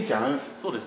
そうです。